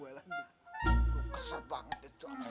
wah keser banget itu sama si rere